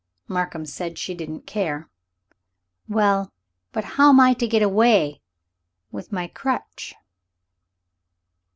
Markham said she didn't care. "Well, but how am I to get away with my crutch?"